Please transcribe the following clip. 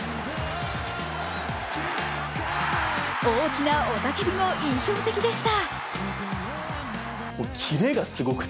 大きな雄たけびも印象的でした。